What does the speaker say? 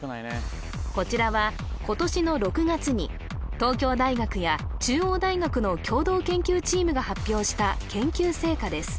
こちらは今年の６月に東京大学や中央大学の共同研究チームが発表した研究成果です